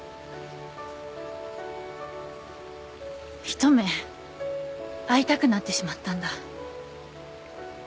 一目会いたくなってしまったんだ。